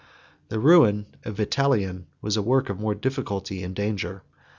The ruin of Vitalian was a work of more difficulty and danger.